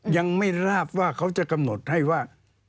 ยังไม่ทราบว่าเขาจะกำหนดให้ว่า